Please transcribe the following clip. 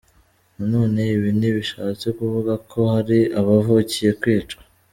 » Nanone ibi ntibishatse kuvuga ko hari abavukiye kwicwa!!